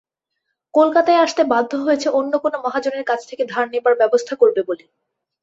কলকাতায় আসতে বাধ্য হয়েছে অন্য কোনো মহাজনের কাছ থেকে ধার নেবার ব্যবস্থা করবে বলে।